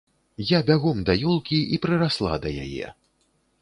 Я бягом да ёлкі і прырасла да яе.